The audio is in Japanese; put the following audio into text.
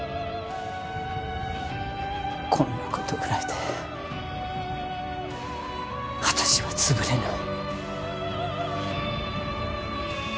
こんなことぐらいで私は潰れない。